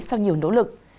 sau nhiều nỗ lực